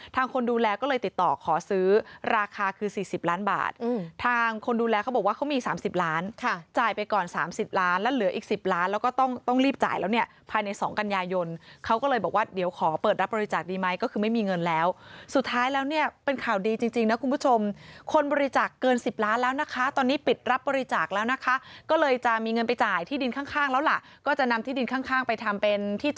ทางคนดูแลก็เลยติดต่อขอซื้อราคาคือ๔๐ล้านบาททางคนดูแลเขาบอกว่าเขามี๓๐ล้านจ่ายไปก่อน๓๐ล้านแล้วเหลืออีก๑๐ล้านแล้วก็ต้องรีบจ่ายแล้วเนี่ยภายใน๒กัญญายนเขาก็เลยบอกว่าเดี๋ยวขอเปิดรับบริจาคดีไหมก็คือไม่มีเงินแล้วสุดท้ายแล้วเนี่ยเป็นข่าวดีจริงนะคุณผู้ชมคนบริจาคเกิน๑๐ล้านแล้วนะคะตอนน